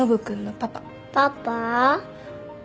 パパ。